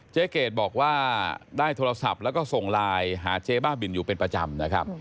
เกดบอกว่าได้โทรศัพท์แล้วก็ส่งไลน์หาเจ๊บ้าบินอยู่เป็นประจำนะครับ